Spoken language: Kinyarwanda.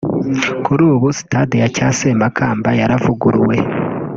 Kuri ubu stade ya Cyasemakamba yaravuguruwe